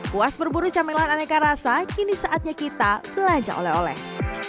buas berburu camilan aneka rasa kini saatnya kita belanja oleh oleh